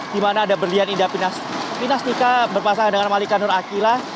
dimana ada berlian indah pinas nika berpasangan dengan malika nur akilah